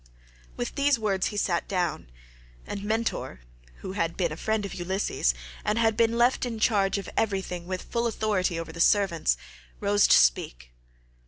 With these words he sat down, and Mentor20 who had been a friend of Ulysses, and had been left in charge of everything with full authority over the servants, rose to speak.